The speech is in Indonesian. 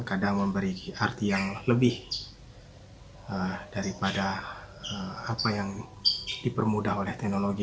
kadang memberi arti yang lebih daripada apa yang dipermudah oleh teknologi